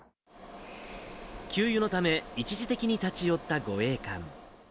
給油のため、一時的に立ち寄った護衛艦。